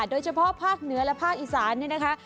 โดยเฉพาะภาคเหนือและภาคอีสานเนี่ยนะคะ